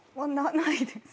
ないです。